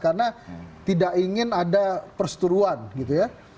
karena tidak ingin ada perseteruan gitu ya